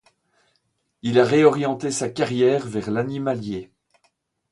Il a réorienté sa carrière vers l'animalier.